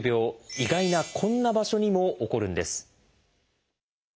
意外なこんな場所にも起こるんです。